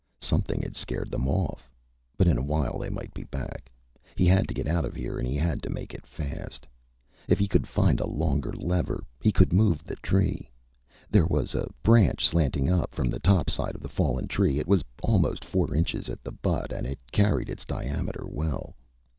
Something had scared them off, but in a while they might be back. He had to get out of here and he had to make it fast. If he could find a longer lever, he could move the tree. There was a branch slanting up from the topside of the fallen tree. It was almost four inches at the butt and it carried its diameter well.